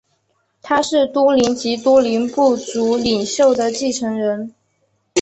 他是都灵及都灵部族领袖的继承人。